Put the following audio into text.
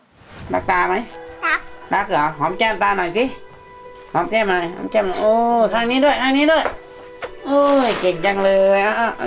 หอมแจ้มตาไหมหอมแจ้มตาหน่อยสิข้างนี้ด้วยเก่งจังเลย